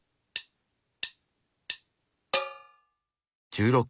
１６。